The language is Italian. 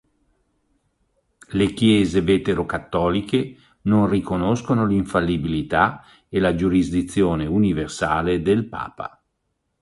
Le chiese vetero-cattoliche non riconoscono l'infallibilità e la giurisdizione universale del Papa.